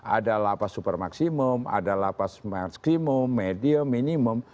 ada lapas super maksimum ada lapas maximum medium minimum